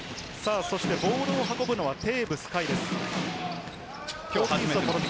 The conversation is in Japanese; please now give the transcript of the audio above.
ボールを運ぶのはテーブス海です。